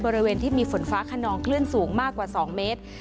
บริเวณที่มีฝนฟ้าขนองคลื่นสูงมากกว่า๒เมตร